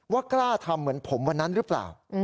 กล้าทำเหมือนผมวันนั้นหรือเปล่า